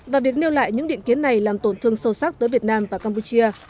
và việc nêu lại những định kiến này làm tổn thương sâu sắc tới việt nam và campuchia